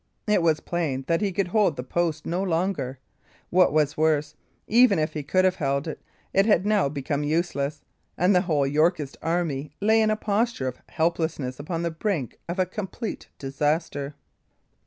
It was plain that he could hold the post no longer; what was worse, even if he could have held it, it had now become useless; and the whole Yorkist army lay in a posture of helplessness upon the brink of a complete disaster.